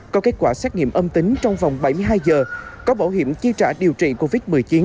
có kết quả xét nghiệm âm tính trong vòng bảy mươi hai giờ có bảo hiểm chi trả điều trị covid một mươi chín